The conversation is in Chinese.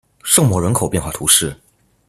圣莫人口变化图示